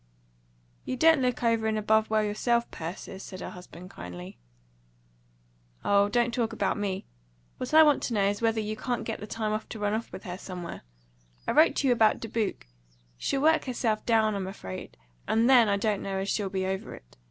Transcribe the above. "You don't look over and above well yourself, Persis," said her husband kindly. "Oh, don't talk about me. What I want to know is whether you can't get the time to run off with her somewhere. I wrote to you about Dubuque. She'll work herself down, I'm afraid; and THEN I don't know as she'll be over it.